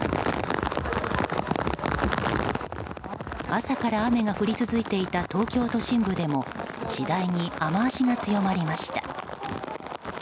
朝から雨が降り続いていた東京都心部でも次第に雨脚が強まりました。